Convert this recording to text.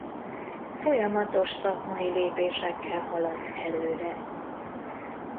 Folyamatos szakmai lépésekkel haladt előre.